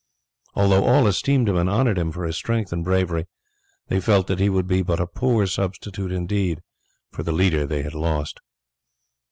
Although all esteemed him and honoured him for his strength and bravery, they felt that he would be a poor substitute indeed for the leader they had lost.